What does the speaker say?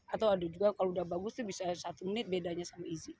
atau ada juga kalau udah bagus tuh bisa satu menit bedanya sama easy